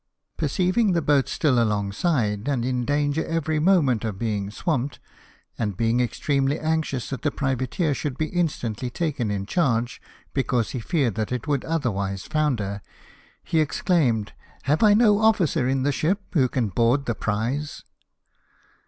Per ceiving the boat still alongside, and in danger every moment of being swamped, and being extremely anxious that the privateer should be instantly taken in charge, because he feared that it would otherwise founder, he exclaimed, " Have I no officer in the ship who can board the prize